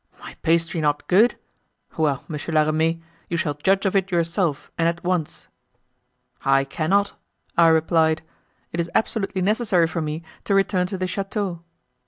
'My pastry not good! Well, Monsieur La Ramee, you shall judge of it yourself and at once.' 'I cannot,' I replied; 'it is absolutely necessary for me to return to the chateau.